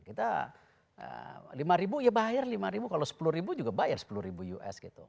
kita rp lima ya bayar rp lima kalau rp sepuluh juga bayar rp sepuluh gitu